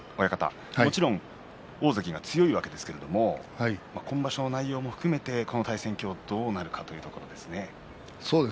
もちろん大関が強いわけですが今場所の内容も含めてこの対戦、どうなるかそうですね。